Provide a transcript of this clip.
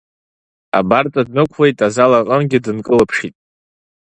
Абарҵа днықәлеит, азал аҟынгьы дынкылыԥшит.